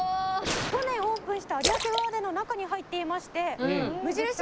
去年オープンした有明ガーデンの中に入っていまして無印